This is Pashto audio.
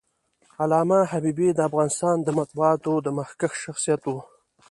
علامه حبيبي د افغانستان د مطبوعاتو مخکښ شخصیت و.